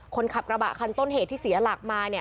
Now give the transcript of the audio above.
คนขับกระบะคันต้นเหตุที่เสียหลักมาเนี่ย